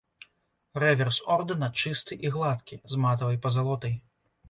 Рэверс ордэна чысты і гладкі, з матавай пазалотай.